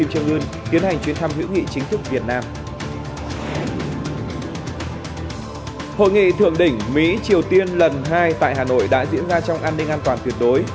hội nghị thượng đỉnh mỹ triều tiên lần hai tại hà nội đã diễn ra trong an ninh an toàn tuyệt đối